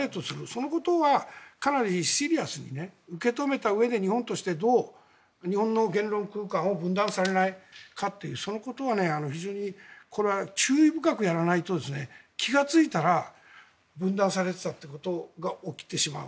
そのことはかなりシリアスに受け止めたうえで日本としてはどう日本の言論空間を分断されないかというそのことは非常にこれは注意深くやらないと気がついたら分断されていたということが起きてしまう。